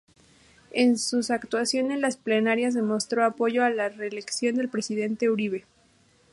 En sus actuación en las plenarias demostró apoyo a la reelección del presidente Uribe.